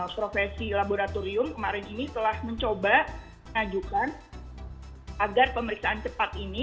profesi laboratorium kemarin ini telah mencoba ngajukan agar pemeriksaan cepat ini